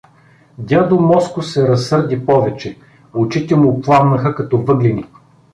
Дядо Моско се разсърди повече, очите му пламнаха като въглени.